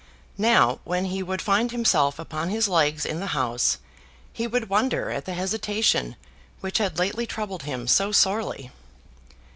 Now, when he would find himself upon his legs in the House, he would wonder at the hesitation which had lately troubled him so sorely.